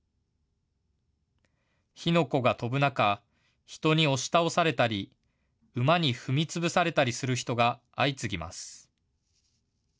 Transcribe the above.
火の粉が飛ぶ中、人に押し倒されたり馬に踏みつぶされたりする人が相次ぎます。